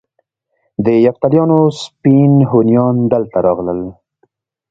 د یفتلیانو سپین هونیان دلته راغلل